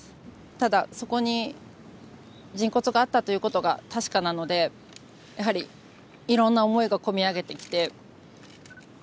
ただ、そこに人骨があったということが確かなので、やはりいろんな思いがこみ上げてきて。